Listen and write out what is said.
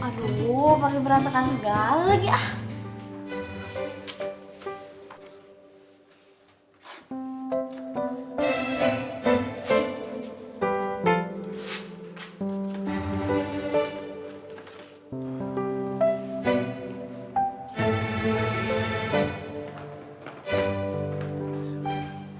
aduh pake berat tekrar scent sedikit lagi